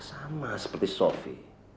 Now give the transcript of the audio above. sama seperti sofi